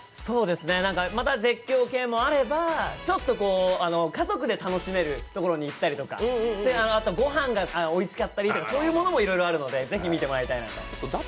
また絶叫系もあれば家族で楽しめるところに行ったりとかあと、御飯がおいしかったりとかそういうものもいろいろあるのでぜひ見てもらいたいなと。